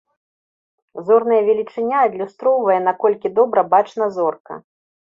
Зорная велічыня адлюстроўвае, наколькі добра бачна зорка.